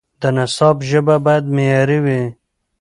د نصاب ژبه باید معیاري وي.